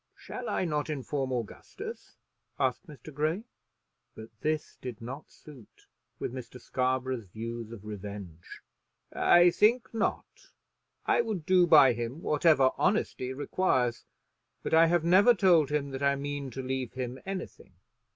"Shall I not inform Augustus?" asked Mr. Grey. But this did not suit with Mr. Scarborough's views of revenge. "I think not. I would do by him whatever honesty requires; but I have never told him that I mean to leave him anything.